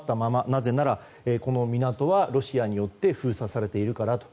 なぜなら、この港はロシアによって封鎖されているからと。